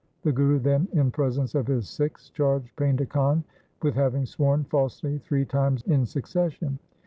The Guru then in presence of his Sikhs charged Painda Khan with having sworn falsely three times in succession.